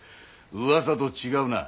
うわさと違うなぁ。